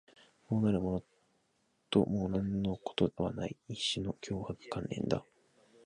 こうなるともう何のことはない、一種の脅迫観念だ